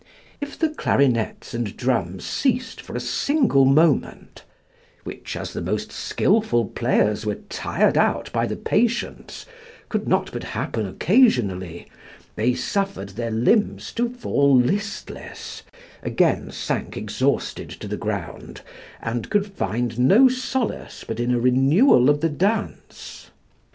If the clarinets and drums ceased for a single moment, which, as the most skilful payers were tired out by the patients, could not but happen occasionally, they suffered their limbs to fall listless, again sank exhausted to the ground, and could find no solace but in a renewal of the dance.